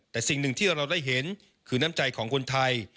แต่สิ่งหนึ่งที่เราได้เห็นคือน้ำใจของคนไทย